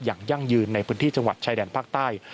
ยั่งยืนในพื้นที่จังหวัดชายแดนภาคใต้